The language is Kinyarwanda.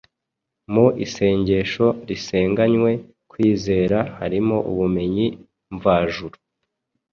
Mu isengesho risenganywe kwizera harimo ubumenyi mvajuru